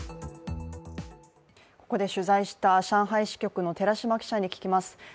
ここで取材した上海支局の寺島記者に聞きます。